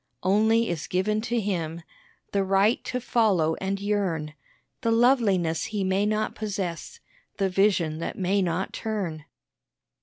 Only is given to him The right to follow and yearn The loveliness he may not possess, The vision that may not turn.